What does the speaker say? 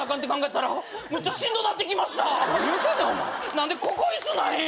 何でここ椅子ないん？